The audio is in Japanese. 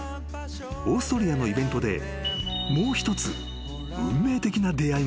［オーストリアのイベントでもう一つ］